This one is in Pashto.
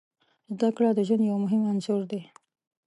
زده کړه د ژوند یو مهم عنصر دی.